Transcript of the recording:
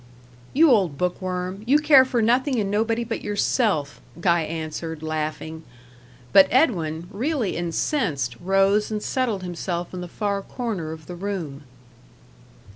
"You old book worm! you care for nothing and nobody but yourself," Guy answered, laughing. But Edwin, really incensed, rose and settled himself in the far corner of the room.